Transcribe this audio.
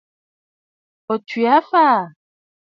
O tswe aa fa?